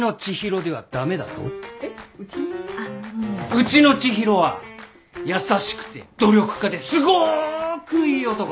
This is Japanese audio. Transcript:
うちの知博は優しくて努力家ですごくいい男だ！